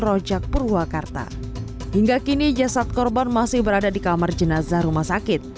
rojak purwakarta hingga kini jasad korban masih berada di kamar jenazah rumah sakit